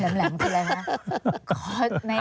แหลมที่ไรคะ